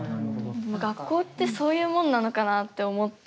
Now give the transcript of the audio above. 学校ってそういうもんなのかなって思って。